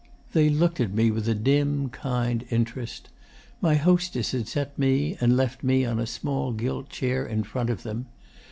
They looked at me with a dim kind interest. My hostess had set me and left me on a small gilt chair in front of them.